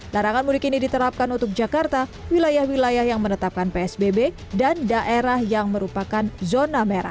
larangan mudik ini diterapkan untuk jakarta wilayah wilayah yang menetapkan psbb dan daerah yang merupakan zona merah